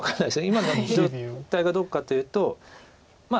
今の状態がどうかというと。